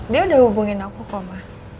dia udah hubungin aku kok ma